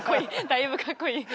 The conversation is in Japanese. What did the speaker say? だいぶかっこいい。